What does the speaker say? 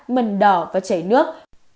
mần đỏ và chảy nước